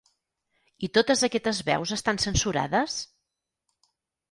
I totes aquestes veus estan censurades?